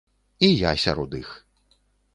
І я сярод іх.